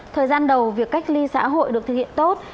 thời gian đầu việc cách ly xã hội được thực hiện tốt